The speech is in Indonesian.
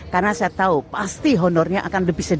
karena saya tahu pasti honornya akan lebih sedikit